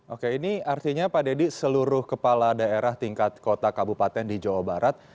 oke ini artinya pak deddy seluruh kepala daerah tingkat kota kabupaten di jawa barat